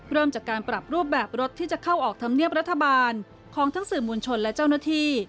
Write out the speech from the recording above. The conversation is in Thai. เริ่มจากการปรับรูปแบบรถที่จะเข้าออกธรรมเนียบรัฐบาลของทั้งสื่อมวลชนและเจ้าหน้าที่